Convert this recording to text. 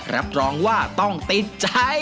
รับรองว่าต้องติดใจ